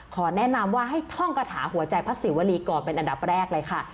แนะนำว่าให้ท่องกระถาหัวใจพระศิวรีก่อนเป็นอันดับแรกเลยค่ะ